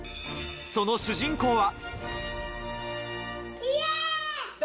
その主人公は？